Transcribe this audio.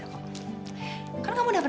aku juga yakin aku juga yakin